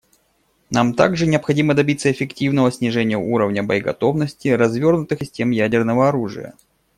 Нам также необходимо добиться эффективного снижения уровня боеготовности развернутых систем ядерного оружия.